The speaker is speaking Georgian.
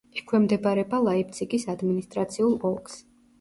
ექვემდებარება ლაიფციგის ადმინისტრაციულ ოლქს.